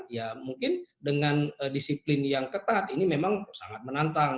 ya mungkin dengan disiplin yang ketat ini memang sangat menantang